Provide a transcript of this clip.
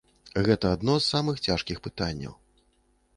Гэта адно з самых цяжкіх пытанняў.